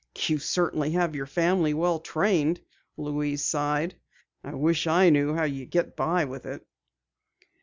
"You certainly have your family well trained," Louise sighed. "I wish I knew how you get by with it."